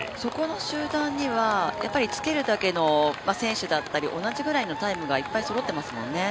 そこの集団につけるだけの選手だったり同じくらいのタイムがいっぱいそろってますもんね。